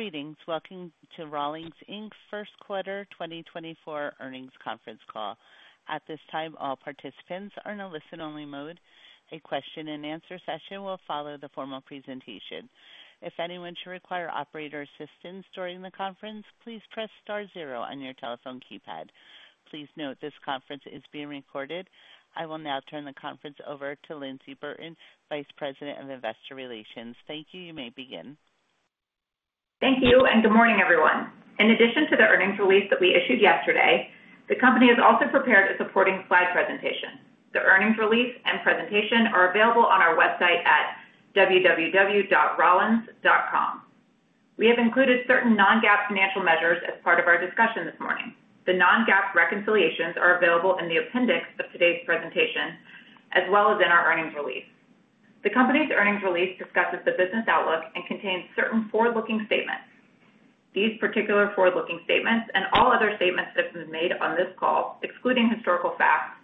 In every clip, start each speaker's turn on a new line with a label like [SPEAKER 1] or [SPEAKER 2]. [SPEAKER 1] Greetings, welcome to Rollins, Inc. First Quarter 2024 Earnings Conference Call. At this time, all participants are in a listen-only mode. A question-and-answer session will follow the formal presentation. If anyone should require operator assistance during the conference, please press star 0 on your telephone keypad. Please note this conference is being recorded. I will now turn the conference over to Lyndsey Burton, Vice President of Investor Relations. Thank you, you may begin.
[SPEAKER 2] Thank you, and good morning, everyone. In addition to the earnings release that we issued yesterday, the company has also prepared a supporting slide presentation. The earnings release and presentation are available on our website at www.rollins.com. We have included certain non-GAAP financial measures as part of our discussion this morning. The non-GAAP reconciliations are available in the appendix of today's presentation, as well as in our earnings release. The company's earnings release discusses the business outlook and contains certain forward-looking statements. These particular forward-looking statements and all other statements that have been made on this call, excluding historical facts,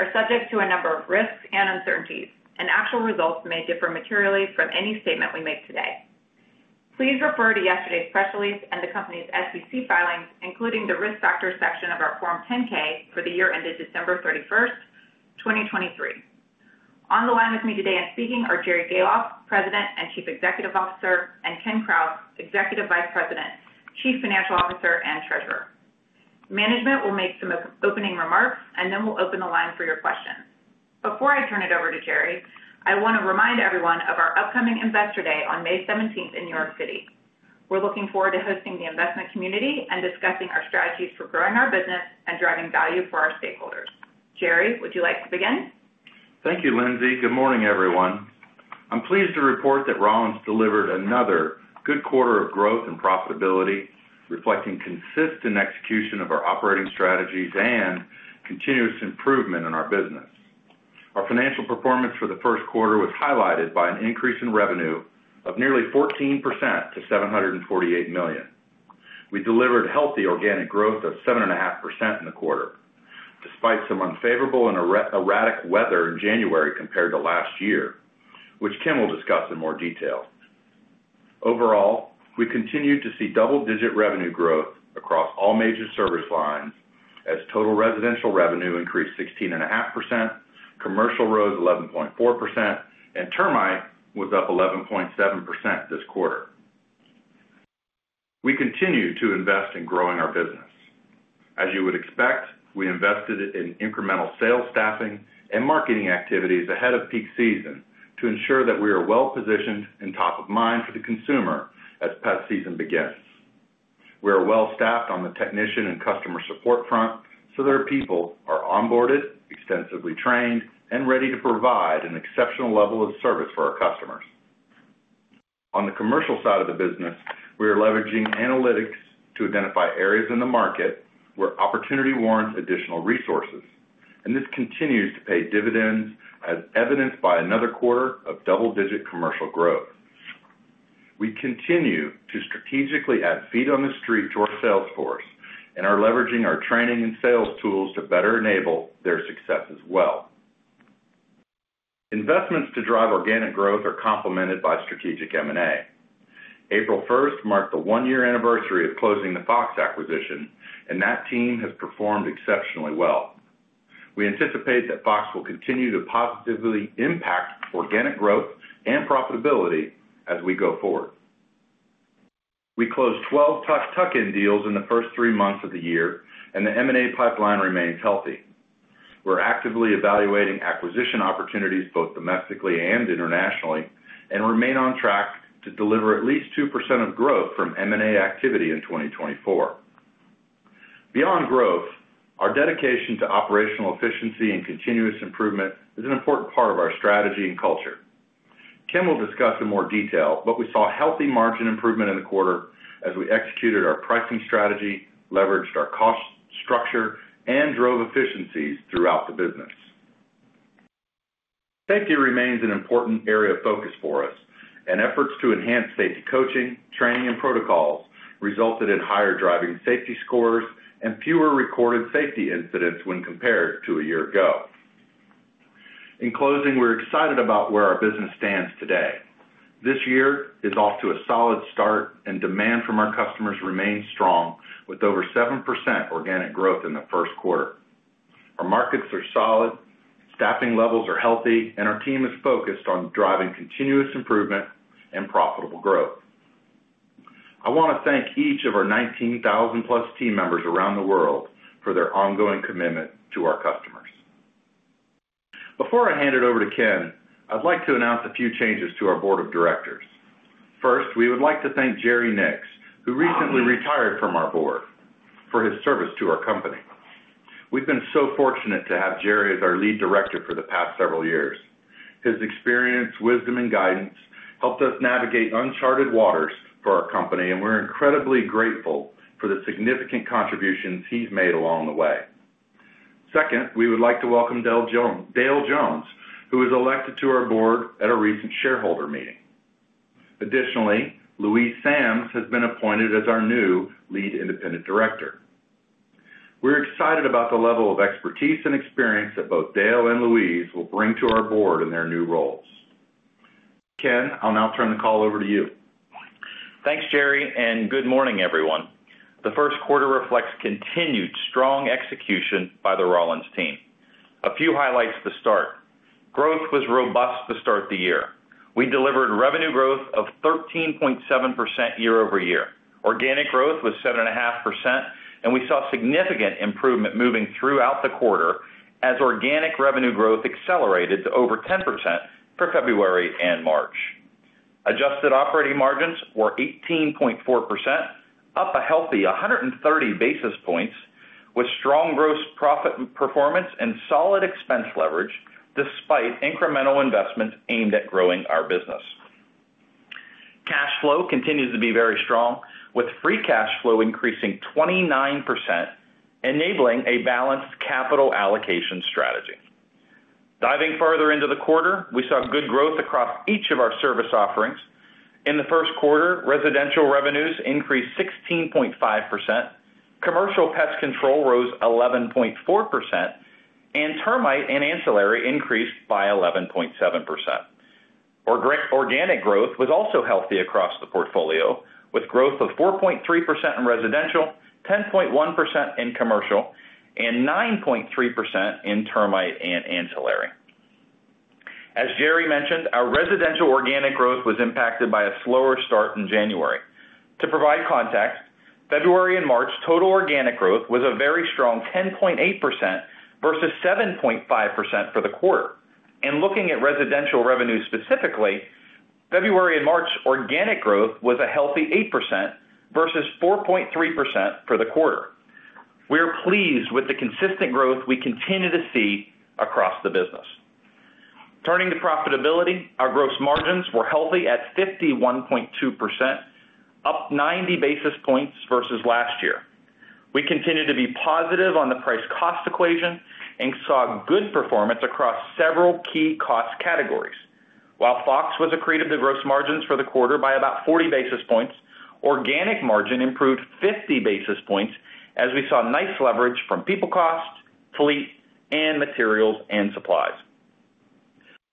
[SPEAKER 2] are subject to a number of risks and uncertainties, and actual results may differ materially from any statement we make today. Please refer to yesterday's press release and the company's SEC filings, including the risk factors section of our Form 10-K for the year ended December 31st, 2023. On the line with me today and speaking are Jerry Gahlhoff, President and Chief Executive Officer, and Kenneth Krause, Executive Vice President, Chief Financial Officer, and Treasurer. Management will make some opening remarks and then we'll open the line for your questions. Before I turn it over to Jerry, I want to remind everyone of our upcoming Investor Day on May 17th in New York City. We're looking forward to hosting the investment community and discussing our strategies for growing our business and driving value for our stakeholders. Jerry, would you like to begin?
[SPEAKER 3] Thank you, Lyndsey. Good morning, everyone. I'm pleased to report that Rollins delivered another good quarter of growth and profitability, reflecting consistent execution of our operating strategies and continuous improvement in our business. Our financial performance for the first quarter was highlighted by an increase in revenue of nearly 14% to $748 million. We delivered healthy organic growth of 7.5% in the quarter, despite some unfavorable and erratic weather in January compared to last year, which Ken will discuss in more detail. Overall, we continued to see double-digit revenue growth across all major service lines as total residential revenue increased 16.5%, commercial rose 11.4%, and termite was up 11.7% this quarter. We continue to invest in growing our business. As you would expect, we invested in incremental sales staffing and marketing activities ahead of peak season to ensure that we are well-positioned and top of mind for the consumer as pest season begins. We are well-staffed on the technician and customer support front so that our people are onboarded, extensively trained, and ready to provide an exceptional level of service for our customers. On the commercial side of the business, we are leveraging analytics to identify areas in the market where opportunity warrants additional resources, and this continues to pay dividends as evidenced by another quarter of double-digit commercial growth. We continue to strategically add feet on the street to our sales force and are leveraging our training and sales tools to better enable their success as well. Investments to drive organic growth are complemented by strategic M&A. April 1st marked the one-year anniversary of closing the Fox acquisition, and that team has performed exceptionally well. We anticipate that Fox will continue to positively impact organic growth and profitability as we go forward. We closed 12 tuck-in deals in the first three months of the year, and the M&A pipeline remains healthy. We're actively evaluating acquisition opportunities both domestically and internationally and remain on track to deliver at least 2% of growth from M&A activity in 2024. Beyond growth, our dedication to operational efficiency and continuous improvement is an important part of our strategy and culture. Ken will discuss in more detail, but we saw healthy margin improvement in the quarter as we executed our pricing strategy, leveraged our cost structure, and drove efficiencies throughout the business. Safety remains an important area of focus for us, and efforts to enhance safety coaching, training, and protocols resulted in higher driving safety scores and fewer recorded safety incidents when compared to a year ago. In closing, we're excited about where our business stands today. This year is off to a solid start, and demand from our customers remains strong with over 7% organic growth in the first quarter. Our markets are solid, staffing levels are healthy, and our team is focused on driving continuous improvement and profitable growth. I want to thank each of our 19,000+ team members around the world for their ongoing commitment to our customers. Before I hand it over to Ken, I'd like to announce a few changes to our board of directors. First, we would like to thank Jerry Nix, who recently retired from our board, for his service to our company. We've been so fortunate to have Jerry as our Lead Director for the past several years. His experience, wisdom, and guidance helped us navigate uncharted waters for our company, and we're incredibly grateful for the significant contributions he's made along the way. Second, we would like to welcome Dale Jones, who was elected to our board at a recent shareholder meeting. Additionally, Louise Sams has been appointed as our new Lead Independent Director. We're excited about the level of expertise and experience that both Dale and Louise will bring to our board in their new roles. Ken, I'll now turn the call over to you.
[SPEAKER 4] Thanks, Jerry, and good morning, everyone. The first quarter reflects continued strong execution by the Rollins team. A few highlights to start: growth was robust to start the year. We delivered revenue growth of 13.7% year-over-year. Organic growth was 7.5%, and we saw significant improvement moving throughout the quarter as organic revenue growth accelerated to over 10% for February and March. Adjusted operating margins were 18.4%, up a healthy 130 basis points, with strong gross profit performance and solid expense leverage despite incremental investments aimed at growing our business. Cash flow continues to be very strong, with free cash flow increasing 29%, enabling a balanced capital allocation strategy. Diving further into the quarter, we saw good growth across each of our service offerings. In the first quarter, residential revenues increased 16.5%, commercial pest control rose 11.4%, and termite and ancillary increased by 11.7%. Organic growth was also healthy across the portfolio, with growth of 4.3% in residential, 10.1% in commercial, and 9.3% in termite and ancillary. As Jerry mentioned, our residential organic growth was impacted by a slower start in January. To provide context, February and March total organic growth was a very strong 10.8% versus 7.5% for the quarter. Looking at residential revenue specifically, February and March organic growth was a healthy 8% versus 4.3% for the quarter. We are pleased with the consistent growth we continue to see across the business. Turning to profitability, our gross margins were healthy at 51.2%, up 90 basis points versus last year. We continue to be positive on the price-cost equation and saw good performance across several key cost categories. While Fox was accretive to gross margins for the quarter by about 40 basis points, organic margin improved 50 basis points as we saw nice leverage from people cost, fleet, and materials and supplies.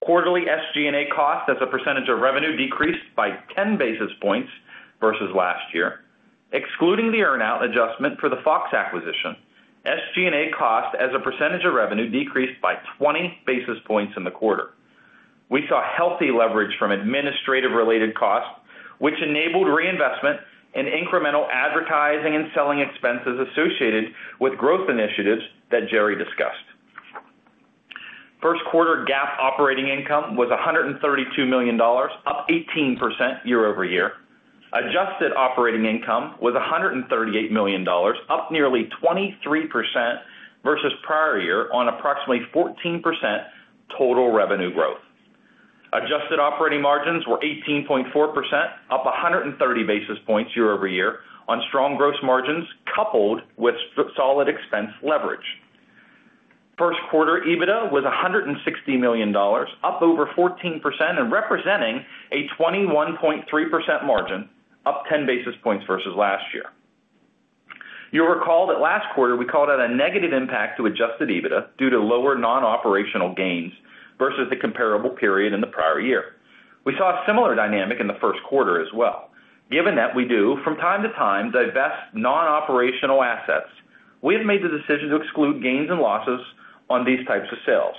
[SPEAKER 4] Quarterly SG&A cost as a percentage of revenue decreased by 10 basis points versus last year. Excluding the earnout adjustment for the Fox acquisition, SG&A cost as a percentage of revenue decreased by 20 basis points in the quarter. We saw healthy leverage from administrative-related costs, which enabled reinvestment and incremental advertising and selling expenses associated with growth initiatives that Jerry discussed. First quarter GAAP operating income was $132 million, up 18% year-over-year. Adjusted operating income was $138 million, up nearly 23% versus prior year on approximately 14% total revenue growth. Adjusted operating margins were 18.4%, up 130 basis points year-over-year on strong gross margins coupled with solid expense leverage. First quarter EBITDA was $160 million, up over 14% and representing a 21.3% margin, up 10 basis points versus last year. You'll recall that last quarter we called out a negative impact to adjusted EBITDA due to lower non-operational gains versus the comparable period in the prior year. We saw a similar dynamic in the first quarter as well. Given that we do, from time to time, divest non-operational assets, we have made the decision to exclude gains and losses on these types of sales.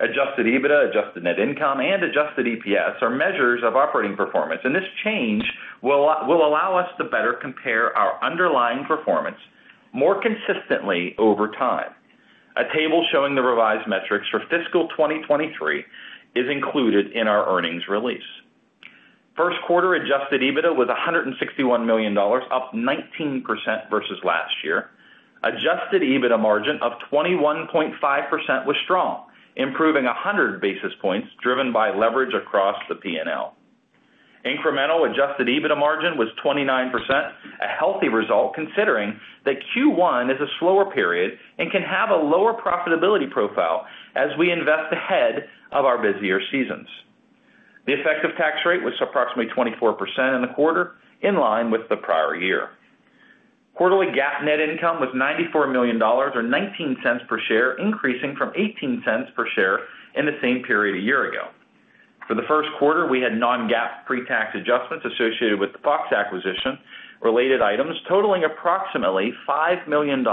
[SPEAKER 4] Adjusted EBITDA, adjusted net income, and adjusted EPS are measures of operating performance, and this change will allow us to better compare our underlying performance more consistently over time. A table showing the revised metrics for fiscal 2023 is included in our earnings release. First quarter adjusted EBITDA was $161 million, up 19% versus last year. Adjusted EBITDA margin of 21.5% was strong, improving 100 basis points driven by leverage across the P&L. Incremental adjusted EBITDA margin was 29%, a healthy result considering that Q1 is a slower period and can have a lower profitability profile as we invest ahead of our busier seasons. The effective tax rate was approximately 24% in the quarter, in line with the prior year. Quarterly GAAP net income was $94 million or $0.19 per share, increasing from $0.18 per share in the same period a year ago. For the first quarter, we had non-GAAP pre-tax adjustments associated with the Fox acquisition related items totaling approximately $5 million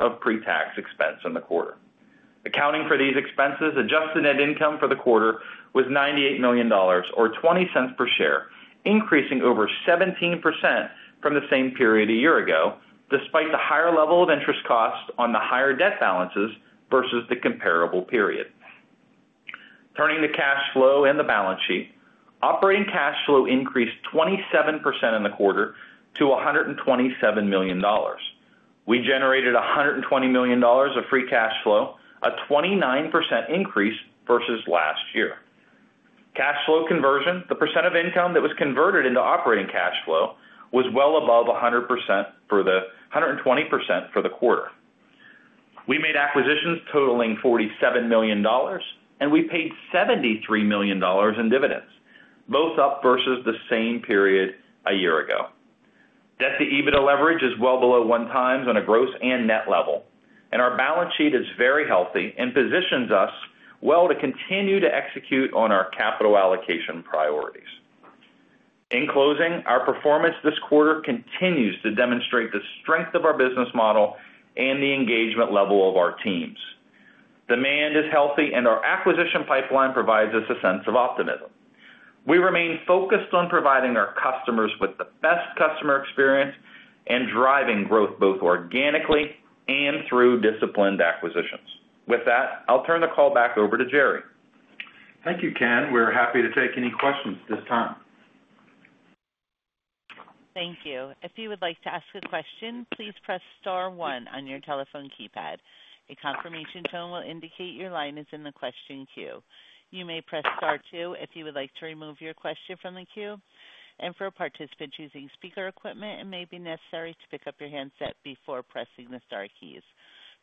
[SPEAKER 4] of pre-tax expense in the quarter. Accounting for these expenses, adjusted net income for the quarter was $98 million or $0.20 per share, increasing over 17% from the same period a year ago despite the higher level of interest costs on the higher debt balances versus the comparable period. Turning to cash flow and the balance sheet, operating cash flow increased 27% in the quarter to $127 million. We generated $120 million of free cash flow, a 29% increase versus last year. Cash flow conversion, the percent of income that was converted into operating cash flow, was well above 100% for the 120% for the quarter. We made acquisitions totaling $47 million, and we paid $73 million in dividends, both up versus the same period a year ago. Debt-to-EBITDA leverage is well below one times on a gross and net level, and our balance sheet is very healthy and positions us well to continue to execute on our capital allocation priorities. In closing, our performance this quarter continues to demonstrate the strength of our business model and the engagement level of our teams. Demand is healthy, and our acquisition pipeline provides us a sense of optimism. We remain focused on providing our customers with the best customer experience and driving growth both organically and through disciplined acquisitions. With that, I'll turn the call back over to Jerry.
[SPEAKER 3] Thank you, Ken. We're happy to take any questions this time.
[SPEAKER 1] Thank you. If you would like to ask a question, please press star one on your telephone keypad. A confirmation tone will indicate your line is in the question queue. You may press star two if you would like to remove your question from the queue. For participants using speaker equipment, it may be necessary to pick up your handset before pressing the star keys.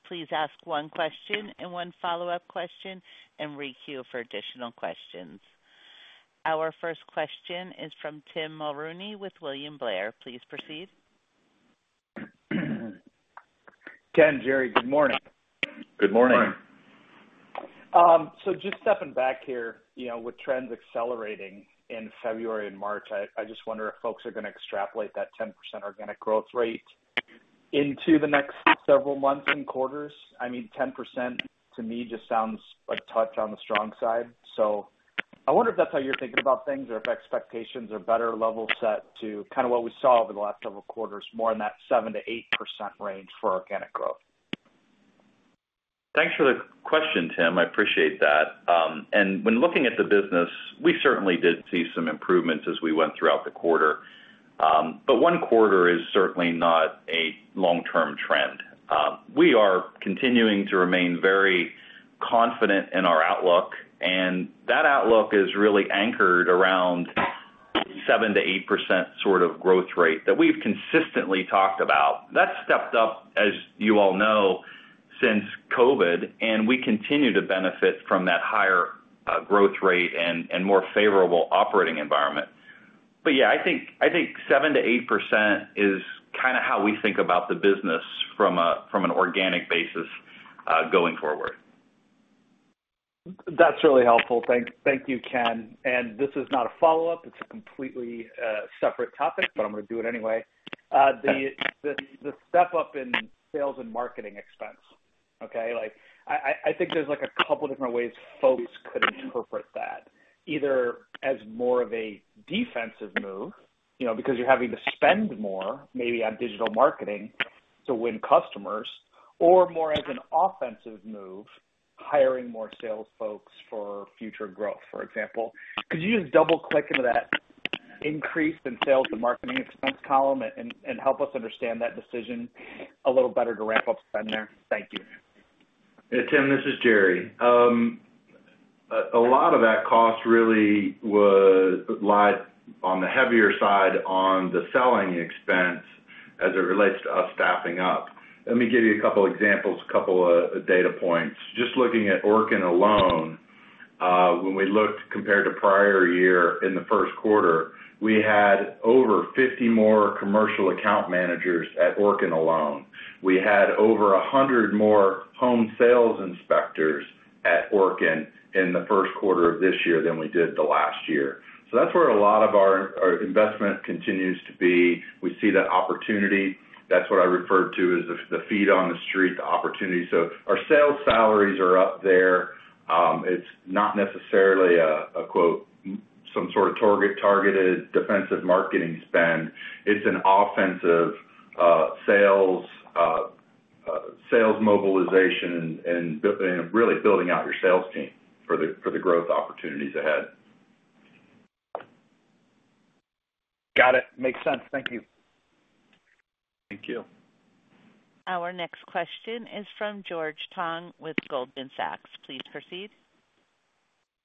[SPEAKER 1] Please ask one question and one follow-up question and requeue for additional questions. Our first question is from Tim Mulrooney with William Blair. Please proceed.
[SPEAKER 5] Ken, Jerry, good morning.
[SPEAKER 4] Good morning.
[SPEAKER 3] Morning.
[SPEAKER 5] So just stepping back here with trends accelerating in February and March, I just wonder if folks are going to extrapolate that 10% organic growth rate into the next several months and quarters. I mean, 10% to me just sounds a touch on the strong side. So I wonder if that's how you're thinking about things or if expectations are better level set to kind of what we saw over the last several quarters, more in that 7%-8% range for organic growth.
[SPEAKER 4] Thanks for the question, Tim. I appreciate that. And when looking at the business, we certainly did see some improvements as we went throughout the quarter. But one quarter is certainly not a long-term trend. We are continuing to remain very confident in our outlook, and that outlook is really anchored around 7%-8% sort of growth rate that we've consistently talked about. That's stepped up, as you all know, since COVID, and we continue to benefit from that higher growth rate and more favorable operating environment. But yeah, I think 7%-8% is kind of how we think about the business from an organic basis going forward.
[SPEAKER 5] That's really helpful. Thank you, Ken. This is not a follow-up. It's a completely separate topic, but I'm going to do it anyway. The step up in sales and marketing expense, okay? I think there's a couple of different ways folks could interpret that, either as more of a defensive move because you're having to spend more, maybe on digital marketing to win customers, or more as an offensive move, hiring more sales folks for future growth, for example. Could you just double-click into that increase in sales and marketing expense column and help us understand that decision a little better to ramp up spend there? Thank you.
[SPEAKER 3] Hey, Tim. This is Jerry. A lot of that cost really was on the heavier side on the selling expense as it relates to us staffing up. Let me give you a couple of examples, a couple of data points. Just looking at Orkin alone, when we looked compared to prior year in the first quarter, we had over 50 more commercial account managers at Orkin alone. We had over 100 more home sales inspectors at Orkin in the first quarter of this year than we did the last year. So that's where a lot of our investment continues to be. We see that opportunity. That's what I referred to as the feet on the street, the opportunity. So our sales salaries are up there. It's not necessarily a "some sort of targeted defensive marketing spend." It's an offensive sales mobilization and really building out your sales team for the growth opportunities ahead.
[SPEAKER 5] Got it. Makes sense. Thank you.
[SPEAKER 3] Thank you.
[SPEAKER 1] Our next question is from George Tong with Goldman Sachs. Please proceed.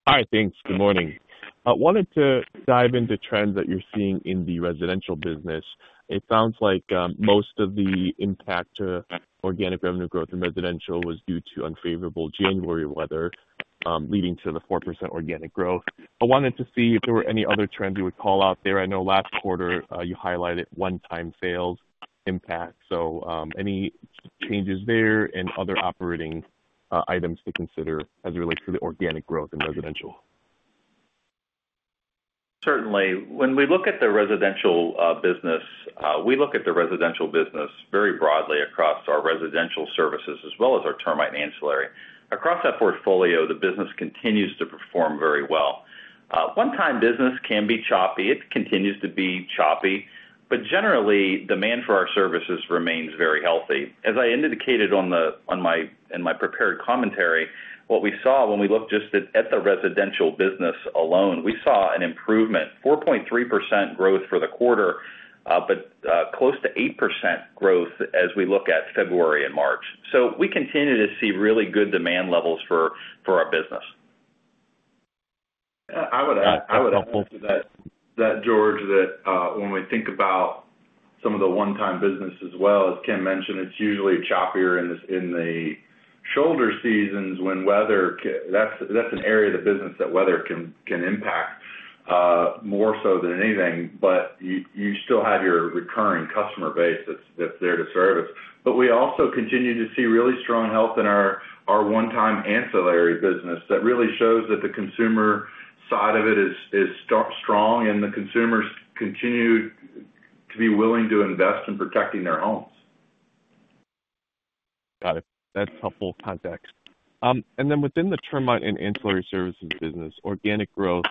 [SPEAKER 6] Hi. Thanks. Good morning. Wanted to dive into trends that you're seeing in the residential business. It sounds like most of the impact to organic revenue growth in residential was due to unfavorable January weather, leading to the 4% organic growth. I wanted to see if there were any other trends you would call out there. I know last quarter, you highlighted one-time sales impact. So any changes there and other operating items to consider as it relates to the organic growth in residential?
[SPEAKER 4] Certainly. When we look at the residential business, we look at the residential business very broadly across our residential services as well as our termite and ancillary. Across that portfolio, the business continues to perform very well. One-time business can be choppy. It continues to be choppy. But generally, demand for our services remains very healthy. As I indicated in my prepared commentary, what we saw when we looked just at the residential business alone, we saw an improvement, 4.3% growth for the quarter, but close to 8% growth as we look at February and March. So we continue to see really good demand levels for our business.
[SPEAKER 3] I would add to that, George, that when we think about some of the one-time business, as well as Ken mentioned, it's usually choppier in the shoulder seasons when weather that's an area of the business that weather can impact more so than anything. But you still have your recurring customer base that's there to service. But we also continue to see really strong health in our one-time ancillary business that really shows that the consumer side of it is strong and the consumers continue to be willing to invest in protecting their homes.
[SPEAKER 6] Got it. That's helpful context. And then within the termite and ancillary services business, organic growth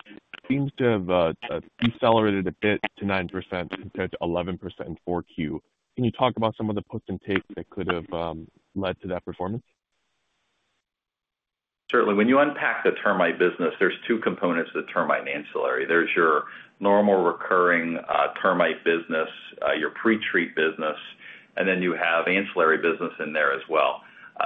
[SPEAKER 6] seems to have decelerated a bit to 9% compared to 11% in 4Q. Can you talk about some of the puts and takes that could have led to that performance?
[SPEAKER 4] Certainly. When you unpack the termite business, there's two components to the termite and ancillary. There's your normal recurring termite business, your pretreat business, and then you have ancillary business in there as well.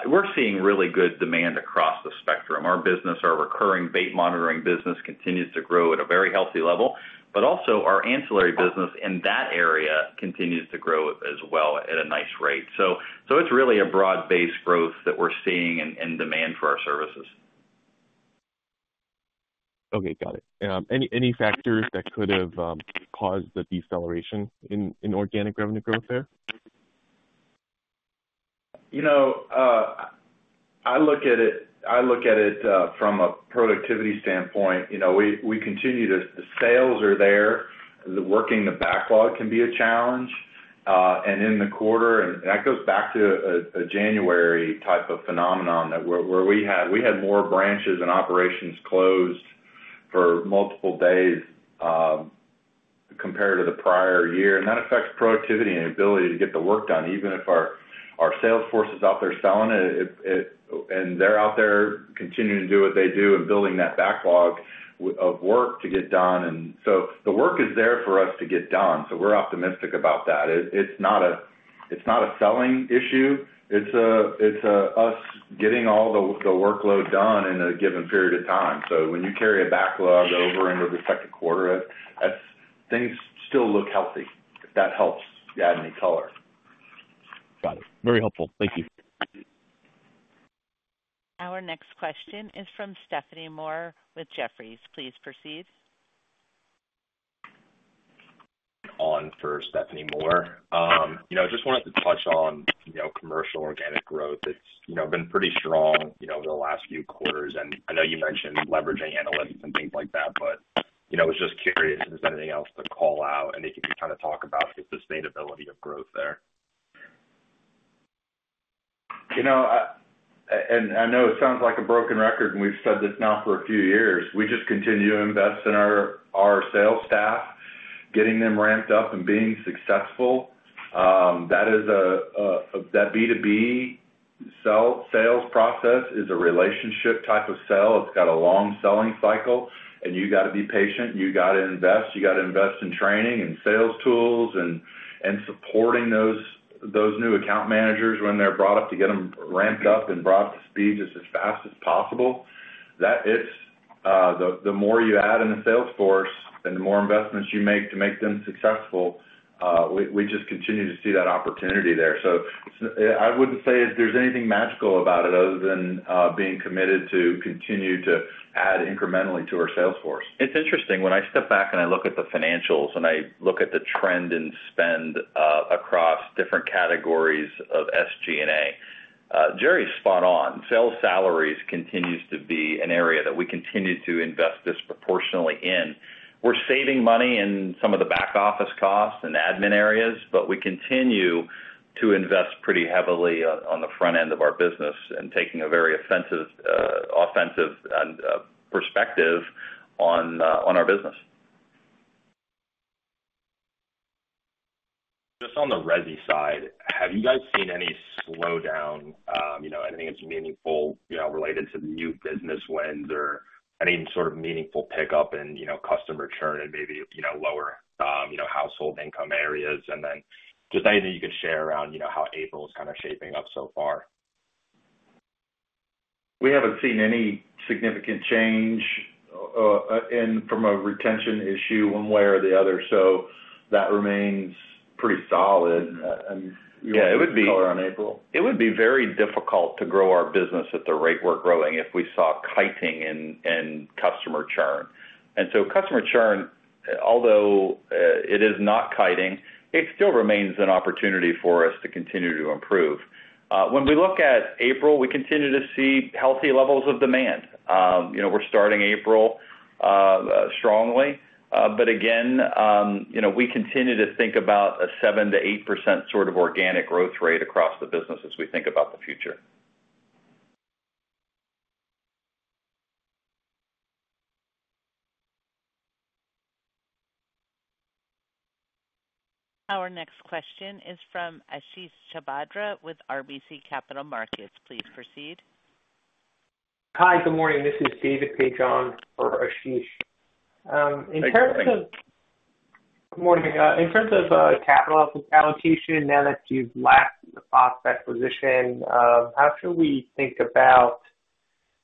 [SPEAKER 4] We're seeing really good demand across the spectrum. Our recurring bait monitoring business continues to grow at a very healthy level, but also our ancillary business in that area continues to grow as well at a nice rate. So it's really a broad-based growth that we're seeing in demand for our services.
[SPEAKER 6] Okay. Got it. Any factors that could have caused the deceleration in organic revenue growth there?
[SPEAKER 4] I look at it from a productivity standpoint. We continue to the sales are there. Working the backlog can be a challenge. In the quarter, that goes back to a January type of phenomenon where we had more branches and operations closed for multiple days compared to the prior year. That affects productivity and ability to get the work done. Even if our sales force is out there selling it and they're out there continuing to do what they do and building that backlog of work to get done. The work is there for us to get done. We're optimistic about that. It's not a selling issue. It's us getting all the workload done in a given period of time. When you carry a backlog over into the second quarter, things still look healthy. That helps add any color.
[SPEAKER 6] Got it. Very helpful. Thank you.
[SPEAKER 1] Our next question is from Stephanie Moore with Jefferies. Please proceed.
[SPEAKER 7] On for Stephanie Moore. I just wanted to touch on commercial organic growth. It's been pretty strong over the last few quarters. I know you mentioned leveraging analytics and things like that, but I was just curious if there's anything else to call out and if you could kind of talk about the sustainability of growth there?
[SPEAKER 3] And I know it sounds like a broken record, and we've said this now for a few years. We just continue to invest in our sales staff, getting them ramped up and being successful. That B2B sales process is a relationship type of sale. It's got a long selling cycle, and you got to be patient. You got to invest. You got to invest in training and sales tools and supporting those new account managers when they're brought up to get them ramped up and brought up to speed just as fast as possible. The more you add in the sales force and the more investments you make to make them successful, we just continue to see that opportunity there. So I wouldn't say there's anything magical about it other than being committed to continue to add incrementally to our sales force. It's interesting. When I step back and I look at the financials and I look at the trend and spend across different categories of SG&A, Jerry's spot on. Sales salaries continue to be an area that we continue to invest disproportionately in. We're saving money in some of the back office costs and admin areas, but we continue to invest pretty heavily on the front end of our business and taking a very offensive perspective on our business. Just on the resi side, have you guys seen any slowdown? Anything that's meaningful related to the new business wins or any sort of meaningful pickup in customer churn and maybe lower household income areas? And then just anything you could share around how April is kind of shaping up so far. We haven't seen any significant change from a retention issue one way or the other. So that remains pretty solid. We won't see color on April.
[SPEAKER 4] Yeah. It would be very difficult to grow our business at the rate we're growing if we saw heightened customer churn. And so customer churn, although it is not heightened, it still remains an opportunity for us to continue to improve. When we look at April, we continue to see healthy levels of demand. We're starting April strongly. But again, we continue to think about a 7%-8% sort of organic growth rate across the business as we think about the future.
[SPEAKER 1] Our next question is from Ashish Sabadra with RBC Capital Markets. Please proceed.
[SPEAKER 8] Hi. Good morning. This is David Paige for Ashish. In terms of capital allocation, now that you've left the Fox acquisition, how should we think about,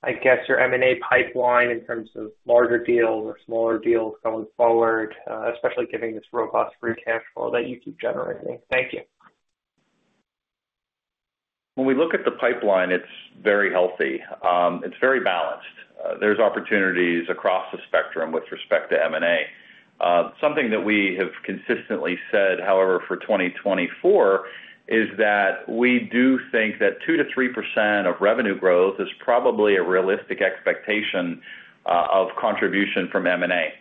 [SPEAKER 8] I guess, your M&A pipeline in terms of larger deals or smaller deals going forward, especially given this robust free cash flow that you keep generating? Thank you.
[SPEAKER 4] When we look at the pipeline, it's very healthy. It's very balanced. There's opportunities across the spectrum with respect to M&A. Something that we have consistently said, however, for 2024 is that we do think that 2%-3% of revenue growth is probably a realistic expectation of contribution from M&A.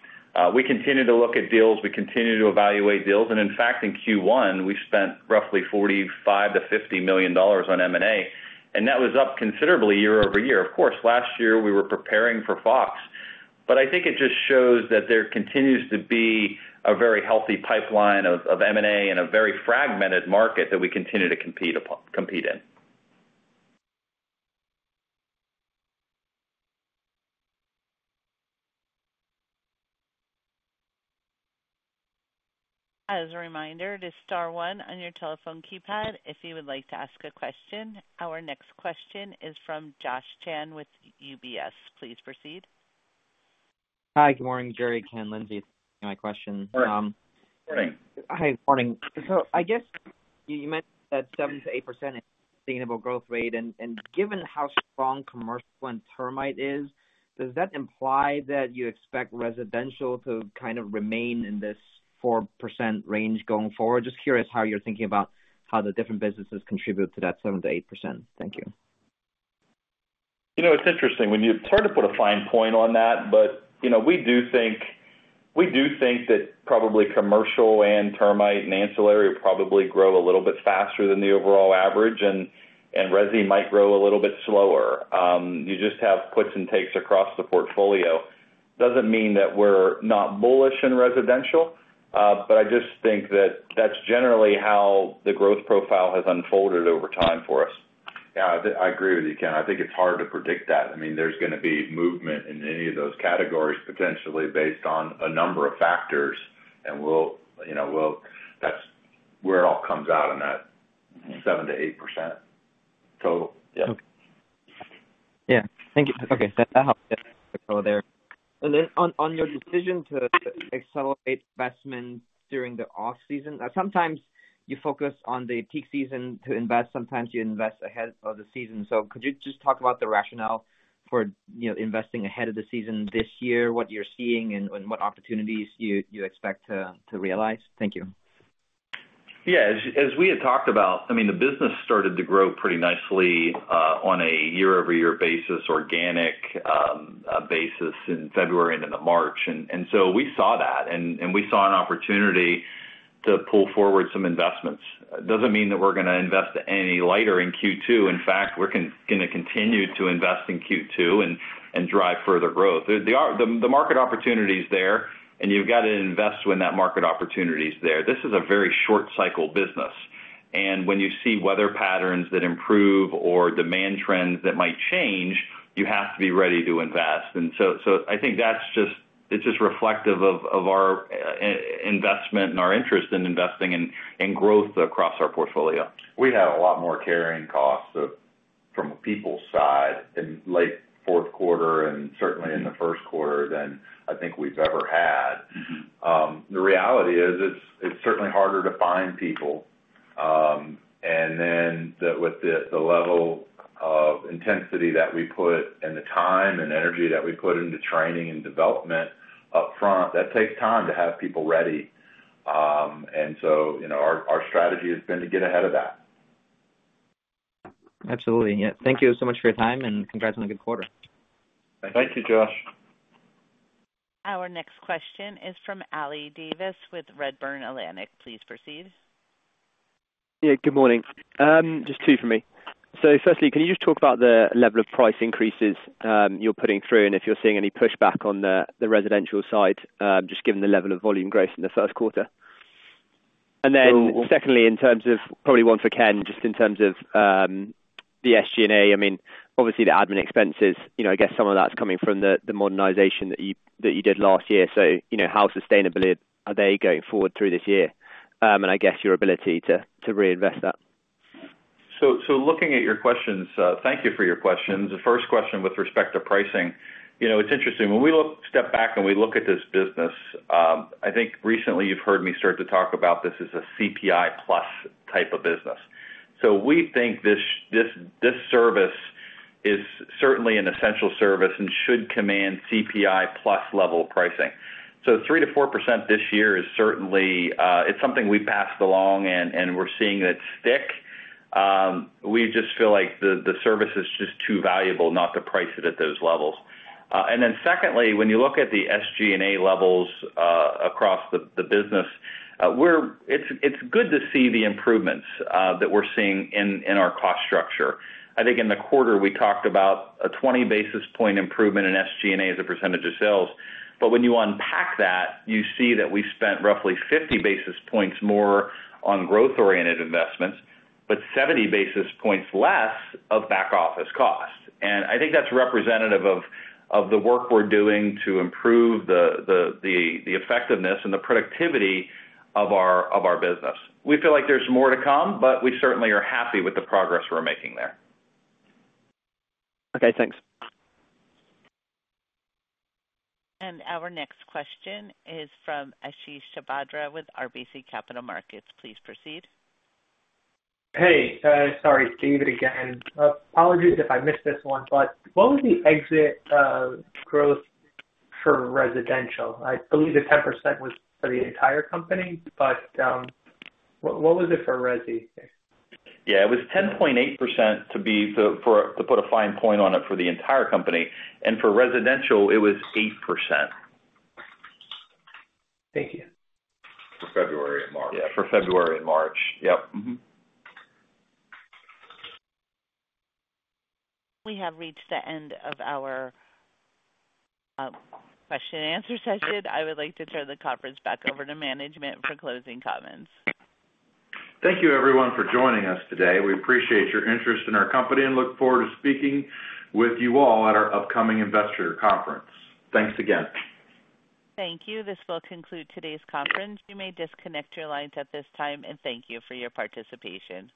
[SPEAKER 4] We continue to look at deals. We continue to evaluate deals. And in fact, in Q1, we spent roughly $45 million-$50 million on M&A, and that was up considerably year-over-year. Of course, last year, we were preparing for Fox. But I think it just shows that there continues to be a very healthy pipeline of M&A and a very fragmented market that we continue to compete in.
[SPEAKER 9] As a reminder, there's star one on your telephone keypad if you would like to ask a question. Our next question is from Josh Chan with UBS. Please proceed. Hi. Good morning, Jerry, Ken, Lyndsey. Thank you for my question. Morning.
[SPEAKER 10] Hi. Good morning. So I guess you mentioned that 7%-8% sustainable growth rate. And given how strong commercial and termite is, does that imply that you expect residential to kind of remain in this 4% range going forward? Just curious how you're thinking about how the different businesses contribute to that 7%-8%. Thank you.
[SPEAKER 4] It's interesting. It's hard to put a fine point on that, but we do think that probably commercial and termite and ancillary will probably grow a little bit faster than the overall average, and resi might grow a little bit slower. You just have puts and takes across the portfolio. It doesn't mean that we're not bullish in residential, but I just think that that's generally how the growth profile has unfolded over time for us.
[SPEAKER 3] Yeah. I agree with you, Ken. I think it's hard to predict that. I mean, there's going to be movement in any of those categories potentially based on a number of factors. And that's where it all comes out in that 7%-8% total.
[SPEAKER 10] Yeah. Thank you. Okay. That helps. And then on your decision to accelerate investment during the off-season, sometimes you focus on the peak season to invest. Sometimes you invest ahead of the season. So could you just talk about the rationale for investing ahead of the season this year, what you're seeing, and what opportunities you expect to realize? Thank you.
[SPEAKER 4] Yeah. As we had talked about, I mean, the business started to grow pretty nicely on a year-over-year basis, organic basis, in February and in March. And so we saw that, and we saw an opportunity to pull forward some investments. It doesn't mean that we're going to invest any lighter in Q2. In fact, we're going to continue to invest in Q2 and drive further growth. The market opportunity is there, and you've got to invest when that market opportunity is there. This is a very short-cycle business. And when you see weather patterns that improve or demand trends that might change, you have to be ready to invest. And so I think it's just reflective of our investment and our interest in investing in growth across our portfolio.
[SPEAKER 3] We had a lot more carrying costs from people's side in late fourth quarter and certainly in the first quarter than I think we've ever had. The reality is it's certainly harder to find people. And then with the level of intensity that we put and the time and energy that we put into training and development upfront, that takes time to have people ready. And so our strategy has been to get ahead of that.
[SPEAKER 10] Absolutely. Yeah. Thank you so much for your time, and congrats on a good quarter.
[SPEAKER 3] Thank you.
[SPEAKER 4] Thank you, Josh.
[SPEAKER 1] Our next question is from Oliver Davies with Redburn Atlantic. Please proceed.
[SPEAKER 11] Yeah. Good morning. Just two for me. So firstly, can you just talk about the level of price increases you're putting through and if you're seeing any pushback on the residential side, just given the level of volume growth in the first quarter? And then secondly, in terms of probably one for Ken, just in terms of the SG&A, I mean, obviously, the admin expenses, I guess some of that's coming from the modernization that you did last year. So how sustainable are they going forward through this year? And I guess your ability to reinvest that.
[SPEAKER 4] So looking at your questions, thank you for your questions. The first question with respect to pricing, it's interesting. When we step back and we look at this business, I think recently you've heard me start to talk about this as a CPI-plus type of business. So we think this service is certainly an essential service and should command CPI-plus level pricing. So 3%-4% this year is certainly it's something we passed along, and we're seeing it stick. We just feel like the service is just too valuable, not to price it at those levels. And then secondly, when you look at the SG&A levels across the business, it's good to see the improvements that we're seeing in our cost structure. I think in the quarter, we talked about a 20 basis point improvement in SG&A as a percentage of sales. But when you unpack that, you see that we spent roughly 50 basis points more on growth-oriented investments but 70 basis points less of back office costs. And I think that's representative of the work we're doing to improve the effectiveness and the productivity of our business. We feel like there's more to come, but we certainly are happy with the progress we're making there.
[SPEAKER 11] Okay. Thanks.
[SPEAKER 1] Our next question is from Ashish Sabadra with RBC Capital Markets. Please proceed.
[SPEAKER 8] Hey. Sorry, David again. Apologies if I missed this one, but what was the exit growth for residential? I believe the 10% was for the entire company, but what was it for resi?
[SPEAKER 4] Yeah. It was 10.8% to put a fine point on it for the entire company. For residential, it was 8%.
[SPEAKER 8] Thank you.
[SPEAKER 3] For February and March.
[SPEAKER 4] Yeah. For February and March. Yep.
[SPEAKER 1] We have reached the end of our question-and-answer session. I would like to turn the conference back over to management for closing comments.
[SPEAKER 3] Thank you, everyone, for joining us today. We appreciate your interest in our company and look forward to speaking with you all at our upcoming investor conference. Thanks again.
[SPEAKER 1] Thank you. This will conclude today's conference. You may disconnect your lines at this time, and thank you for your participation.